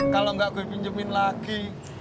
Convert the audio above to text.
kalau nggak gue pinjemin lagi